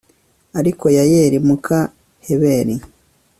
ariko yayeli, muka heberi